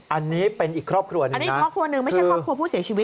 อันนี้เป็นอีกครอบครัวหนึ่งไม่ใช่ครอบครัวผู้เสียชีวิต